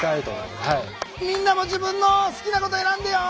みんなも自分の好きなこと選んでよ！